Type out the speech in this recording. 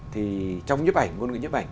thì trong nhấp ảnh ngôn ngữ nhấp ảnh